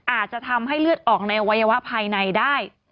อาจจะทำให้เลือดออกในอวัยวะภายในได้